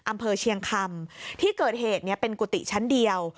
อำเภอเชียงคำที่เกิดเหตุเป็นกุฏิชั้นเดียว